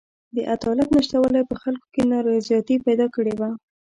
د عدالت نشتوالي په خلکو کې نارضایتي پیدا کړې وه.